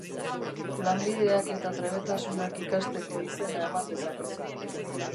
Lanbideak eta trebetasunak ikasteko izena eman dezakezu.